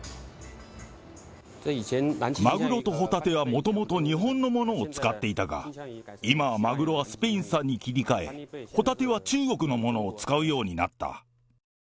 マグロとホタテはもともと日本のものを使っていたが、今はマグロはスペイン産に切り替え、ホタテは中国のものを使うようになった。